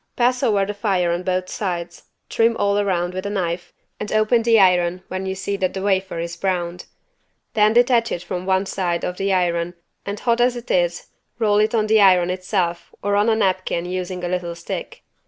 Pass over the fire on both sides, trim all around with a knife and open the iron when you see that the wafer is browned. Then detach it from one side of the iron and hot as it is roll it on the iron itself or on a napkin using a little stick.